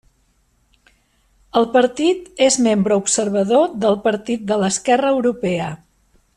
El partit és membre observador del Partit de l'Esquerra Europea.